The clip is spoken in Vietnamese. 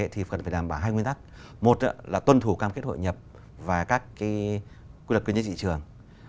thì cần phải đảm bảo hai nguyên tắc một là tuân thủ cam kết hội nhập và các quy luật quy chế thị trường